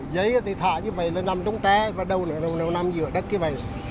dây thì thả như vầy nó nằm trong tre và đâu nào nằm giữa đất như vầy